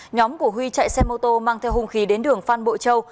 nhóm của huy chạy xe mô tô mang theo hung khí đến đường phan bội châu